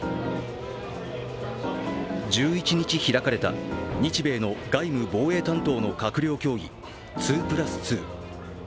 １１日開かれた日米の外務・防衛担当の閣僚協議、２＋２。